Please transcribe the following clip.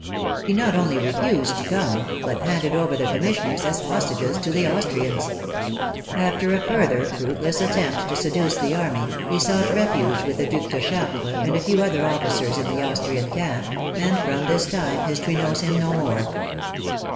He not only refused to come, but handed over the commissioners as hostages to the Austrians. After a further fruitless attempt to seduce the army he sought refuge with the Due de Chartres and a few other officers in the Austrian camp, and from this time his tory knows him no more.